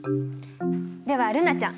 では瑠菜ちゃん。